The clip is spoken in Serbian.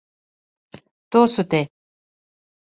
То су те!